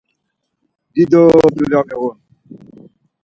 Dido duyla miğun.